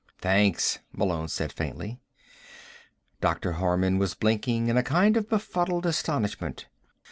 "Thanks," Malone said faintly. Dr. Harman was blinking in a kind of befuddled astonishment.